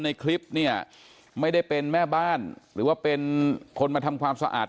ในคลิปเนี่ยไม่ได้เป็นแม่บ้านหรือว่าเป็นคนมาทำความสะอาด